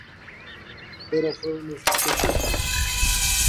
Pero fue un espejismo.